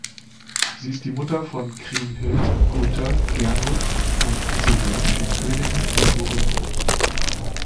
Sie ist die Mutter von Kriemhild, Gunther, Gernot und Giselher, den Königen der Burgunden.